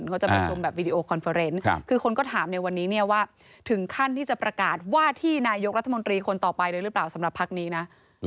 เขาจะไปชมแบบวิดีโอคอนเฟอร์เนสคือคนก็ถามในวันนี้เนี่ยว่าถึงขั้นที่จะประกาศว่าที่นายกรัฐมนตรีคนต่อไปเลยหรือเปล่าสำหรับพักนี้นะ